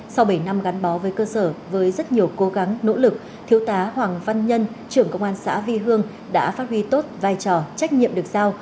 sau bảy năm gắn bó với cơ sở với rất nhiều cố gắng nỗ lực thiếu tá hoàng văn nhân trưởng công an xã vi hương đã phát huy tốt vai trò trách nhiệm được giao